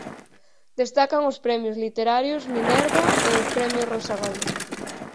Destacan os Premios Literarios Minerva e os Premios Rosa Gómez.